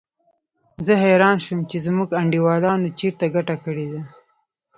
زه حیران شوم چې زموږ انډیوالانو چېرته ګټه کړې ده.